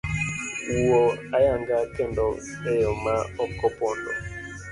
Wuo ayanga kendo eyo ma okopondo.